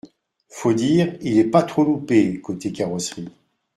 Faut dire, il est pas trop loupé, côté carrosserie.